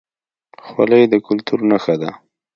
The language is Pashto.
خولۍ د کلتور نښه ده